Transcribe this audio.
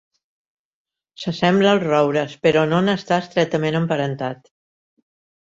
Se sembla als roures però no n'està estretament emparentat.